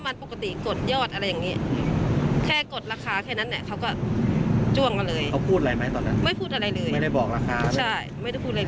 ไม่ได้พูดอะไรไหม